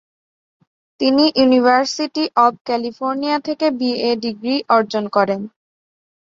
তিনি university of California থেকে B A degree অর্জন করেন।